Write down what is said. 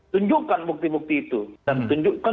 tunjukkan bukti bukti itu dan tunjukkan